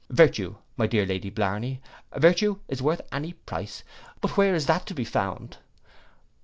Virtue, my dear Lady Blarney, virtue is worth any price; but where is that to be found?